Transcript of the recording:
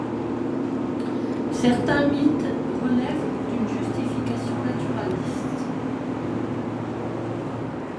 Certains mythes relèvent d’une justification naturaliste.